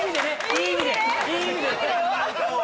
いい意味でよ